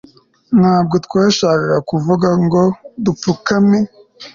ntabwo twashakaga kuvuga ngo dupfukame